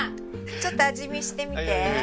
ちょっと味見してみて。